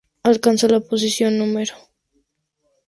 Alcanzó la posición No.